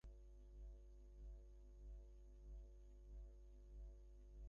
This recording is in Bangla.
সব করেছি কেবল আজকের দিনে ট্রিগারে আঙুল রেখে যাতে তোমার সামনে দাঁড়াতে পারি।